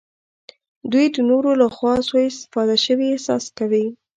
دوی د نورو لخوا سوء استفاده شوي احساس کوي.